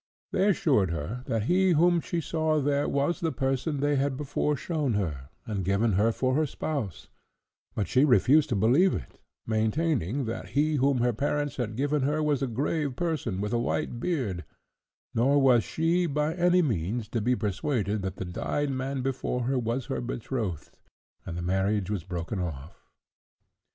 They assured her, that he whom she there saw was the person they had before shewn her, and given her for her spouse: but she refused to believe it, maintaining, that he whom her parents had given her was a grave person, with a white beard: nor was she, by any means, to be persuaded that the dyed man before her was her betrothed, and the marriage was broken off.